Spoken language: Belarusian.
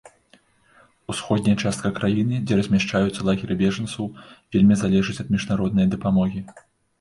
Усходняя частка краіны, дзе размяшчаюцца лагеры бежанцаў, вельмі залежыць ад міжнароднай дапамогі.